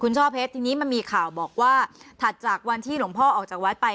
ช่อเพชรทีนี้มันมีข่าวบอกว่าถัดจากวันที่หลวงพ่อออกจากวัดไป